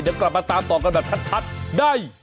เดี๋ยวกลับมาตามต่อกันแบบชัดได้